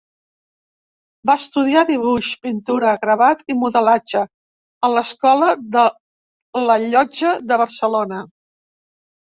Va estudiar dibuix, pintura, gravat i modelatge a l'Escola de la Llotja de Barcelona.